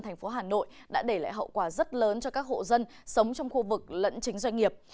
thành phố hà nội đã để lại hậu quả rất lớn cho các hộ dân sống trong khu vực lẫn chính doanh nghiệp